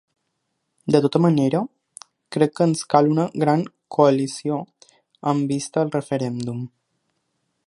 De tota manera, crec que ens cal una gran coalició, amb vista al referèndum.